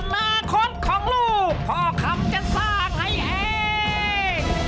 อนาคตของลูกพ่อคำจะสร้างให้แห้ง